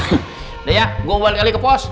udah ya gue balik lagi ke pos